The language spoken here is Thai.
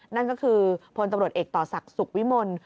นั่นก็คือพลตำรวจเอกต่อศักดิ์สุขวิมล